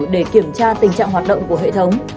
để kiểm tra tình trạng hoạt động của hệ thống